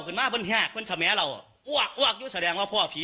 ขึ้นมาเป็นพี่ห้าเพื่อนสมัยเราอ้วกอ้วกอยู่แสดงว่าพ่อผี